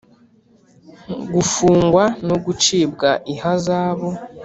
gufungwa no gucibwa ihazabu.